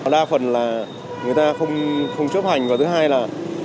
đa phần là người ta không chấp hành và thứ hai là